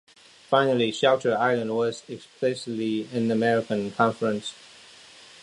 Finally, Shelter Island was explicitly an American conference.